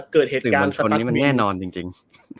สื่อมวลชนนี้มันแน่นอนจริง